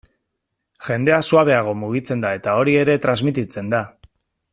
Jendea suabeago mugitzen da eta hori ere transmititzen da.